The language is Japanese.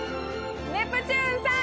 ネプチューンさん